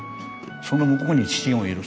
その向こうに父がいる。